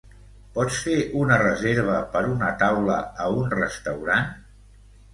Pots fer una reserva per una taula a un restaurant?